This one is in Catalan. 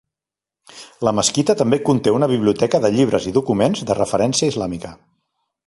La mesquita també conté una biblioteca de llibres i documents de referència islàmica.